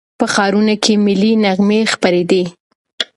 په ښارونو کې ملي نغمې خپرېدې.